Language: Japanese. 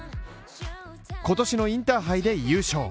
今年のインターハイで優勝。